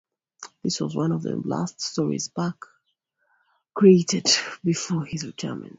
This was one of the last stories Barks created before his retirement.